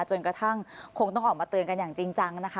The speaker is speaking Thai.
จนกระทั่งคงต้องออกมาเตือนกันอย่างจริงจังนะคะ